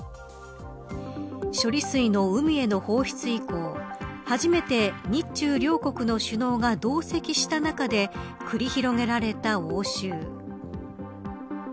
処理水の海への放出以降初めて日中両国の首脳が同席した中で繰り広げられた応酬。